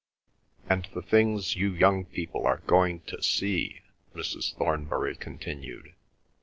"And the things you young people are going to see!" Mrs. Thornbury continued.